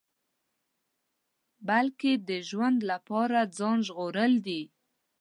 بلکې د ژوند لپاره ځان ژغورل دي.